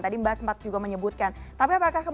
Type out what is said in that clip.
tadi mbak sempat juga menyebutkan tapi apakah